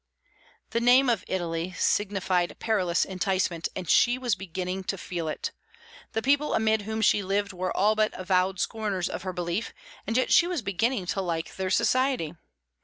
The name of Italy signified perilous enticement, and she was beginning to feel it. The people amid whom she lived were all but avowed scorners of her belief, and yet she was beginning to like their society.